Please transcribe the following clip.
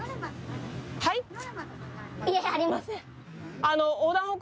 はい？